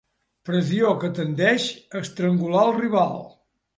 Pressió que tendeix a estrangular el rival.